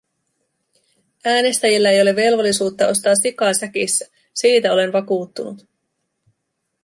Äänestäjillä ei ole velvollisuutta ostaa sikaa säkissä, siitä olen vakuuttunut.